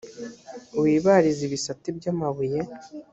wibarize ibisate by amabuye